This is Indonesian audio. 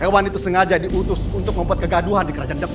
hewan itu sengaja diutus untuk membuat kegaduhan di kerajaan depok